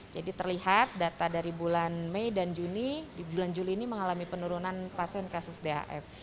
jadi terlihat data dari bulan mei dan juni di bulan juli ini mengalami penurunan pasien kasus daf